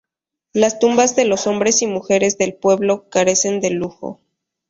Las tumbas de los hombres y mujeres del pueblo carecen de lujo.